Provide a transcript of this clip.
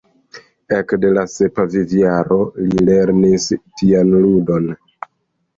Ekde la sepa vivjaro li lernis pianludon.